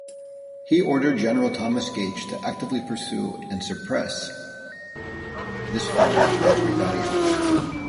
He ordered General Thomas Gage to actively pursue and suppress this form of rebellion.